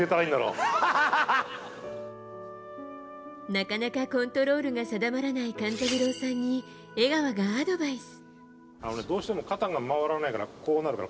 なかなかコントロールが定まらない勘三郎さんに江川がアドバイス。